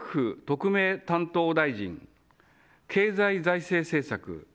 特命担当大臣経済財政政策